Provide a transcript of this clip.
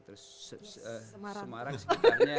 terus semarang sekitarnya